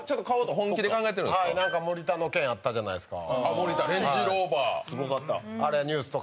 森田の件、あったじゃないですか。